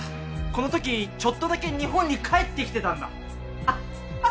この時ちょっとだけ日本に帰ってきてたんだ。